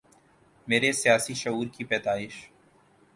میرے سیاسی شعور کی پیدائش